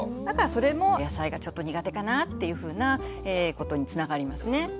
だからそれも野菜がちょっと苦手かなっていうふうなことにつながりますね。